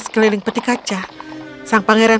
sekeliling peti kaca sang pangeran